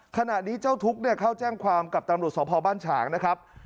ขณะนี้เจ้าทุกข์เข้าแจ้งความกับตำรวจสพบ้านฉางนะครับ